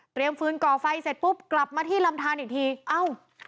ฟื้นก่อไฟเสร็จปุ๊บกลับมาที่ลำทานอีกทีเอ้า